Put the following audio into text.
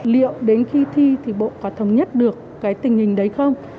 liệu đến khi thi thì bộ có thống nhất được cái tình hình đấy không